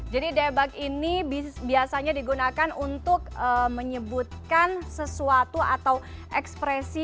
jadi debak ini biasanya digunakan untuk menyebutkan sesuatu atau ekspresi